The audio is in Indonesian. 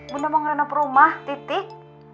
bunda mau ngerenop rumah titik